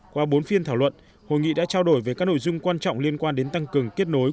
qua bốn phiên thảo luận hội nghị đã trao đổi về các nội dung quan trọng liên quan đến tăng cường kết nối